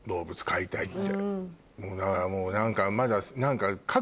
だからもう何か。